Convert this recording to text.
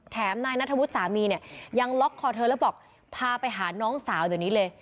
นายนัทธวุฒิสามีเนี่ยยังล็อกคอเธอแล้วบอกพาไปหาน้องสาวเดี๋ยวนี้เลย